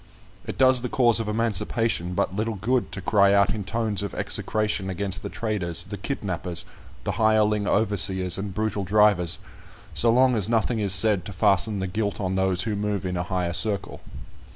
It does the cause of emancipation but little good to cry out in tones of execration against the traders, the kidnappers, the hireling overseers, and brutal drivers, so long as nothing is said to fasten the guilt on those who move in a higher circle.